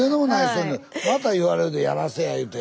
また言われるで「やらせや」いうて。